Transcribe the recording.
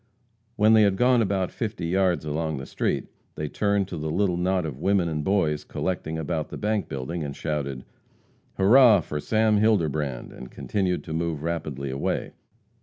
When they had gone about fifty yards along the street, they turned to the little knot of women and boys collecting about the bank building, and shouted: "Hurrah for Sam Hilderbrand!" and continued to move rapidly away.